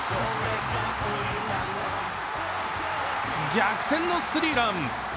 逆転のスリーラン。